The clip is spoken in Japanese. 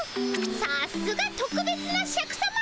さすがとくべつなシャクさま。